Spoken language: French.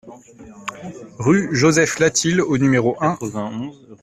Rue Joseph Latil au numéro un